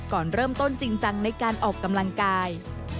ก่อนเริ่มต้นจริงจังในการออกกำลังกาย